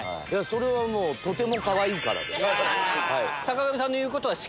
それはもうとてもかわいいからですはい。